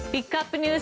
ＮＥＷＳ